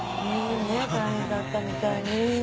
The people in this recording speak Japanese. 大変だったみたいね。